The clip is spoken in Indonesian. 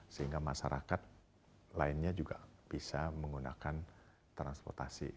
sehingga masyarakat lainnya juga bisa menggunakan transportasi